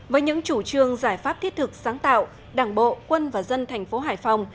với những chủ trương giải pháp thiết thực sáng tạo đảng bộ quân và dân thành phố hải phòng